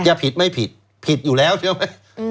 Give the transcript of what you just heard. จะผิดไม่ผิดผิดอยู่แล้วใช่ไหม